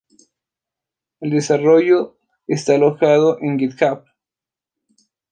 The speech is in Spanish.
El desarrollo está alojado en GitHub.